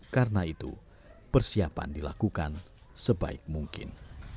karena itu persiapan dilakukan sebaik mungkin